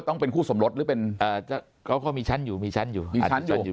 ต้องเป็นคู่สมรสหรือเป็นเขาก็มีชั้นอยู่มีชั้นอยู่มีชั้นอยู่